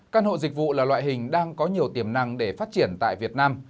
căn hộ dịch vụ là loại hình đang có nhiều tiềm năng để phát triển tại việt nam